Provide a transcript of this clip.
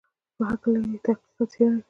په هکله یې تحقیق او څېړنه کوي.